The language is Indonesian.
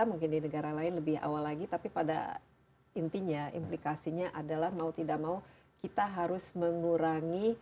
mungkin di negara lain lebih awal lagi tapi pada intinya implikasinya adalah mau tidak mau kita harus mengurangi